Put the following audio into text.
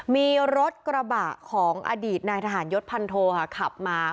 มีรถกระบะของอดีตนายทหารยศพันโทค่ะขับมา